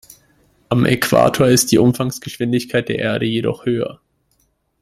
Am Äquator ist die Umfangsgeschwindigkeit der Erde jedoch höher.